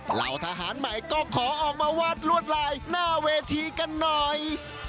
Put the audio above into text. เหล่าทหารใหม่ก็ขอออกมาวาดลวดลายหน้าเวทีกันหน่อย